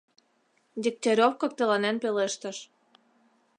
— Дегтярев коктеланен пелештыш.